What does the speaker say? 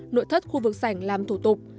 nội thất khu vực sảnh làm thủ tục